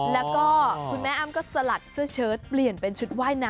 แล้วก็คุณแม่อ้ำก็สลัดเสื้อเชิดเปลี่ยนเป็นชุดว่ายน้ำ